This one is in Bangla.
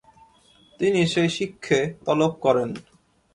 তিনি সেই শিখকে তলব করেন।